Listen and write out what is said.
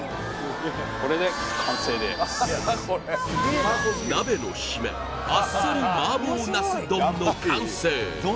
これで完成です鍋のシメあっさり麻婆茄子丼の完成